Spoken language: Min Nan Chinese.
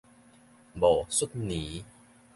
戊戌年